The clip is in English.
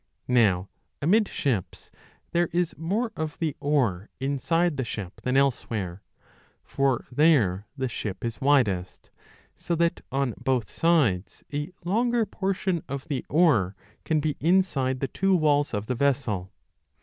Now amidships there is more of the oar inside the ship than elsewhere ; for there the ship is widest, so that on both sides a longer portion of the oar can be 1 Ch. i. CHAPTER 4 850* inside the two walls of the vessel.